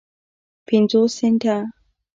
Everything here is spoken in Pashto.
پینځوس سنټه